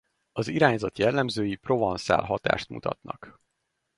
Az irányzat jellemzői provanszál hatást mutatnak.